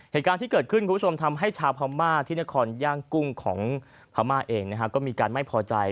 เหตุการณ์ที่เกิดขึ้นคุณผู้ชมทำให้ชาวพม่าที่นครย่างกุ้งของพม่าเองก็มีการไม่พอใจ